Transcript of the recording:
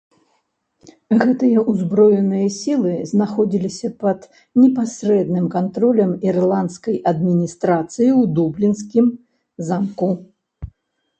Гэтыя ўзброеныя сілы знаходзіліся пад непасрэдным кантролем ірландскай адміністрацыі ў дублінскім замку.